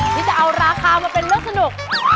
ที่จะเอาราคามาเป็นเรื่องสนุก